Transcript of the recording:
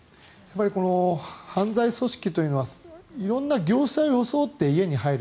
この犯罪組織というのは色んな業者を装って家に入る。